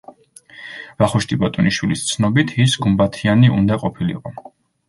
ვახუშტი ბატონიშვილის ცნობით ის გუმბათიანი უნდა ყოფილიყო.